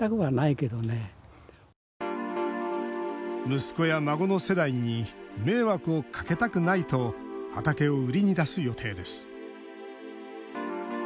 息子や孫の世代に迷惑をかけたくないと畑を売りに出す予定です。